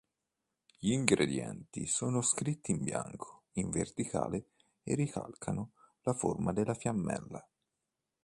Gli ingredienti sono scritti in bianco in verticale e ricalcano la forma della fiammella.